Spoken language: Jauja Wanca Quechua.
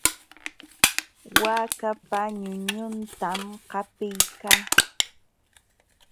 Waakapa ñuñuntam qapiykaa.